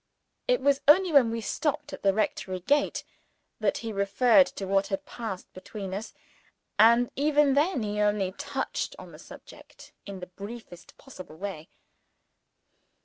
It was only when we stopped at the rectory gate that he referred to what had passed between us and even then, he only touched on the subject in the briefest possible way.